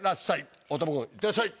大友君いってらっしゃい！